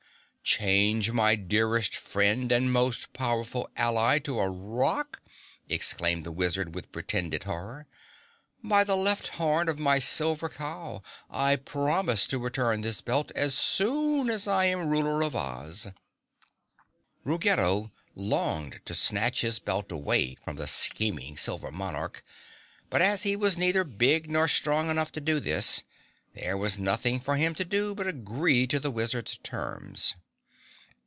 Change my dearest friend and most powerful ally to a rock?" exclaimed the Wizard with pretended horror. "By the left horn of my silver cow, I promise to return this belt as soon as I am Ruler of Oz!" Ruggedo longed to snatch his belt away from the scheming Silver Monarch, but as he was neither big or strong enough to do this, there was nothing for him to do but agree to the wizard's terms.